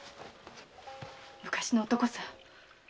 昔の男さ。